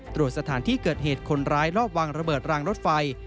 ตรวจสถานที่เกิดเหตุคนร้ายรอบวางระเบิดรางรถไฟ